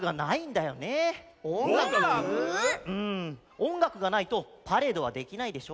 おんがくがないとパレードはできないでしょ。